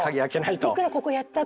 いくらここやったって。